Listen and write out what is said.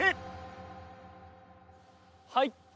はい。